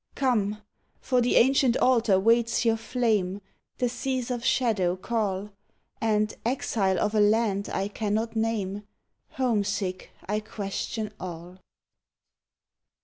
Cornel for the ancient Altar waits your flame, The seas of shadow call. And, exile of a land I cannot name, Homesick, I question all.